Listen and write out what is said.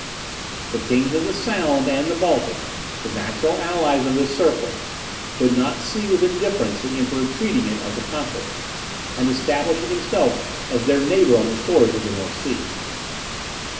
The kings of the Sound and the Baltic, the natural allies of this circle, would not see with indifference the Emperor treating it as a conqueror, and establishing himself as their neighbour on the shores of the North Sea.